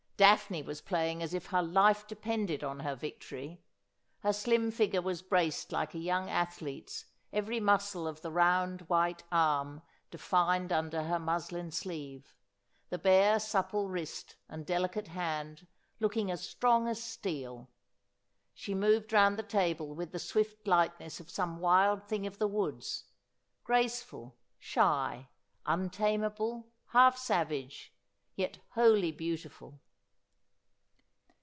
Daphne was playing as if her life depended on her victory. Her slim figure was braced like a young athlete's, every muscle of the round white arm defined under her muslin sleeve — the bare supple wrist and delicate band looking as strong as steel. She moved round the table with the swift lightness of some wild thing of the woods — graceful, shy, untamable, half savage, yet wholly beautiful.